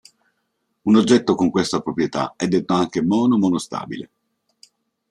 Un oggetto con questa proprietà è detto anche "mono-monostabile".